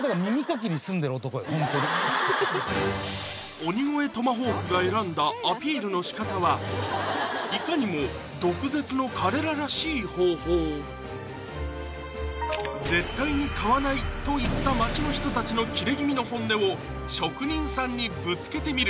「鬼越トマホーク」が選んだアピールのしかたはいかにも毒舌の彼ららしい方法「絶対に買わない」と言った街の人たちのキレ気味の本音を職人さんにぶつけてみる